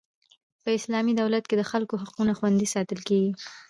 په اسلامي دولت کښي د خلکو حقونه خوندي ساتل کیږي.